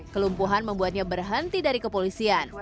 kelumpuhan membuatnya berhenti dari kepolisian